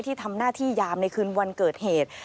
ที่ทำหน้าที่ยามในคืนวันเกิดเหตุ